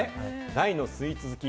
大のスイーツ好き！